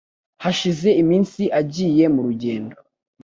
hashize iminsi agiye mu rugendo.